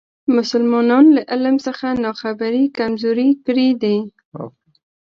مسلمانان له علم څخه ناخبري کمزوري کړي دي.